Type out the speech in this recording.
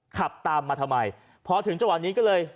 ขับตามมาทำไมพอถึงจังหวะนี้ก็เลย